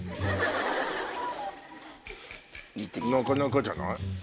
なかなかじゃない？